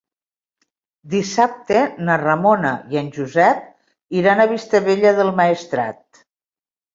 Dissabte na Ramona i en Josep iran a Vistabella del Maestrat.